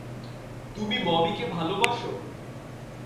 তুমি মবিকে ভালবাসো?